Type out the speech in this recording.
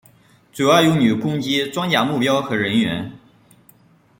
主要用于攻击装甲目标和人员。